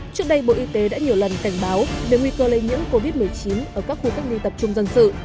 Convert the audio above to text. trước đây bộ y tế đã nhiều lần cảnh báo về nguy cơ lây nhiễm covid một mươi chín ở các khu cách ly tập trung dân sự